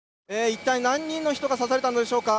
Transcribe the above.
いったい何人の人が刺されたのでしょうか